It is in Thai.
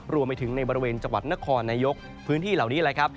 รวมไปถึงในบริเวณจังหวัดนครนายกพื้นที่เหล่านี้แหละครับ